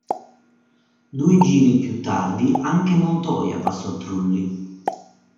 Due giri più tardi anche Montoya passò Trulli.